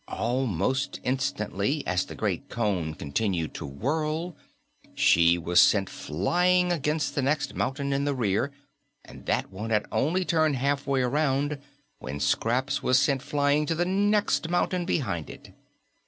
Almost instantly, as the great cone continued to whirl, she was sent flying against the next mountain in the rear, and that one had only turned halfway around when Scraps was sent flying to the next mountain behind it.